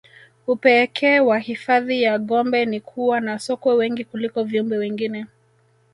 upeeke wa hifadhi ya gombe ni kuwa na sokwe wengi kuliko viumbe wengine